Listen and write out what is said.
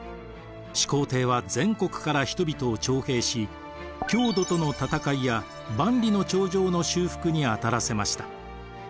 始皇帝は全国から人々を徴兵し匈奴との戦いや万里の長城の修復に当たらせました。